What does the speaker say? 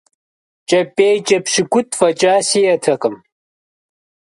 КӀэпӀейкӀэ пщыкӀутӀ фӀэкӀа сиӏэтэкъым.